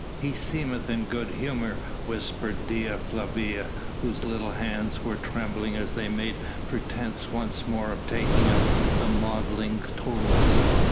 "He seemeth in good humour," whispered Dea Flavia, whose little hands were trembling as they made pretence once more of taking up the modelling tools.